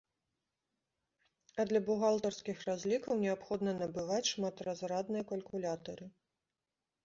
А для бухгалтарскіх разлікаў неабходна набываць шматразрадныя калькулятары.